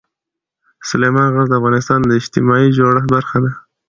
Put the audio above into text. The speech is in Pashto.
سلیمان غر د افغانستان د اجتماعي جوړښت برخه ده.